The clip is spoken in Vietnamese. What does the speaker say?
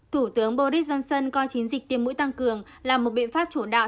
thủ tướng boris johnson coi chiến dịch tiêm mũi tăng cường là một biện pháp chủ đạo